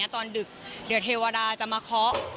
ตอนดึกที่เทวาราทจะมาข้อ